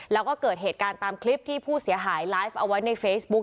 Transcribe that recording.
แล้วก็เกิดเหตุการณ์ตามคลิปที่ผู้เสียหายไลฟ์เอาไว้ในเฟซบุ๊ค